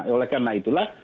oleh karena itulah